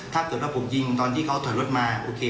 ถ้าเกิดว่าผมยิงตอนที่เขาถอยรถมาโอเค